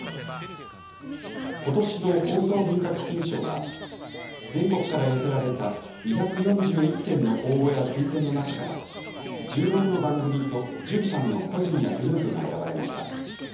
ことしの放送文化基金賞は、全国から寄せられた２４１件の応募や推薦の中から、１６の番組と１３の個人やグループが選ばれました。